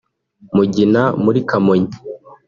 Mugina muri Kamonyi